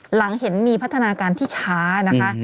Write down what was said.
หลังเห็นมีพัฒนาการที่ช้านะคะ